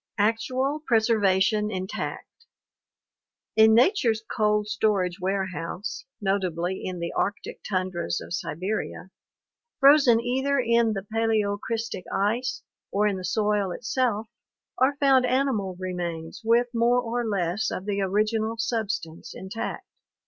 Actual Preservation Intact. — In nature's cold storage ware house, notably in the arctic tundras of Siberia, frozen either in the paleocrystic ice or in the soil itself, are found animal remains with more or less of the original substance intact.